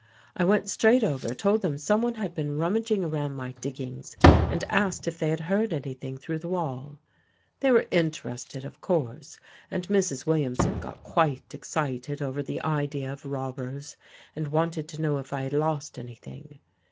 I went straight over, told them someone had been rummaging around my diggings and asked if they had heard any thing through the wall. They were interested, of course, and Mrs. Williamson got quite excited over the idea of robbers and wanted to know if I had lost anything.